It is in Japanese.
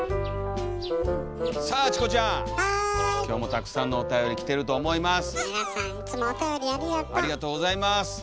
今日もたくさんのおたより来てると思います。